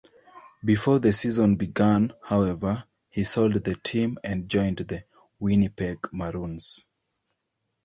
Before the season began, however, he sold the team and joined the Winnipeg Maroons.